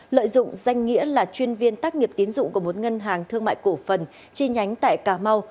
lợi dụng danh nghĩa là chuyên viên tác nghiệp tín dụng của một ngân hàng thương mại cổ phần chi nhánh tại cà mau